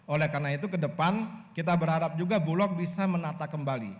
oleh karena itu ke depan kita berharap juga bulog bisa menata kembali